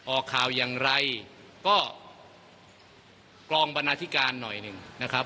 ออกข่าวอย่างไรก็กรองบรรณาธิการหน่อยหนึ่งนะครับ